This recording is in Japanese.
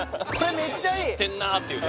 知ってんなっていうね